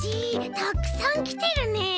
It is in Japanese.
たくさんきてるね！